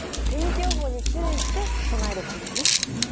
天気予報に注意して備えればいいんだね。